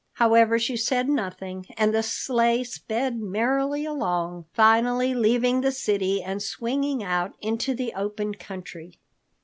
However, she said nothing and the sleigh sped merrily along, finally leaving the city and swinging out into the open country.